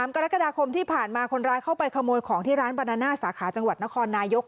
กรกฎาคมที่ผ่านมาคนร้ายเข้าไปขโมยของที่ร้านบานาน่าสาขาจังหวัดนครนายก